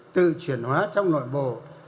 tự chuyển hóa trong nội bộ